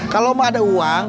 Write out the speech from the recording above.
kalau emak ada uang